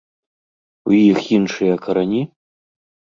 У іх іншыя карані?